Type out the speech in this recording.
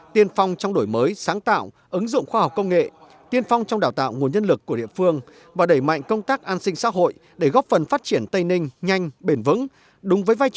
tiên phong trong đổi mới sáng tạo ứng dụng khoa học công nghệ tiên phong trong đào tạo nguồn nhân lực của địa phương